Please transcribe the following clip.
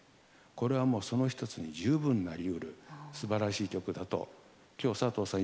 これはもうその一つに十分なりうるすばらしい曲だと今日佐藤さん